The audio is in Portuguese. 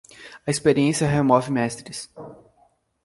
A experiência remove mestres.